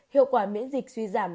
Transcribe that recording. hiệu quả miễn dịch suy giảm